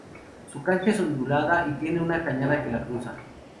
La cancha es ondulada y tiene una cañada que la cruza.